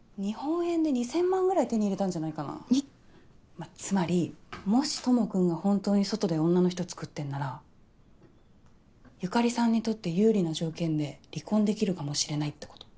まあつまりもし智くんが本当に外で女の人作ってんなら由香里さんにとって有利な条件で離婚できるかもしれないってこと。